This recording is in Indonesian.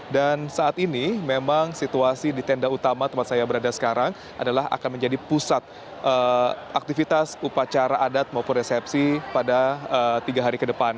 saat ini memang situasi di tenda utama tempat saya berada sekarang adalah akan menjadi pusat aktivitas upacara adat maupun resepsi pada tiga hari ke depan